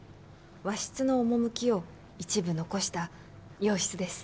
和室の趣を一部残した洋室です。